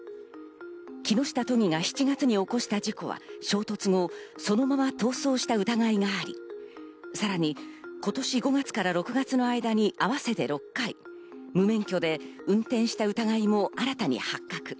木下都議が７月に起こした事故は衝突後、そのまま逃走した疑いがあり、さらに今年５月から６月の間に合わせて６回、無免許で運転した疑いも新たに発覚。